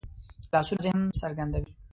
لاسونه ذهن څرګندوي